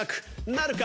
なるか？